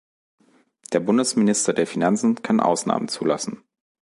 Der Bundesminister der Finanzen kann Ausnahmen zulassen.